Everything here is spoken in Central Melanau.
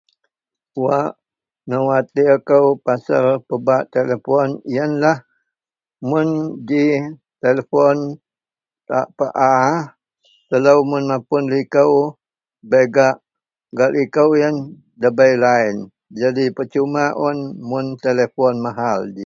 wak nou watir kou pasel pebak telepon ienlah mun ji telepon pa paa telou mun mapun liko, bei gak-gak liko ien debei line, jadi percuma un mun telepon mahal ji